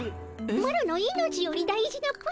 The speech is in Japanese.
マロの命より大事なプリンじゃ！